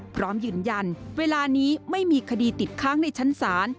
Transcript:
พร้อมยืนยันเวลานี้ไม่มีคดีติดค้างในชั้นศาล